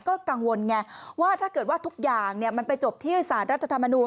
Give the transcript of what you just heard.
ก็กังวลไงว่าถ้าเกิดว่าทุกอย่างมันไปจบที่สารรัฐธรรมนูล